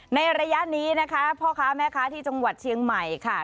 ในระยะนี้นะคะพ่อค้าแม่ค้าที่จังหวัดเชียงใหม่ค่ะ